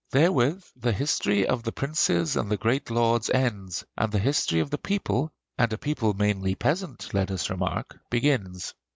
Therewith the history of the princes and the great lords ends, and the history of the people and a people mainly peasant, let us remark begins.